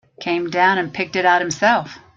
Came down and picked it out himself.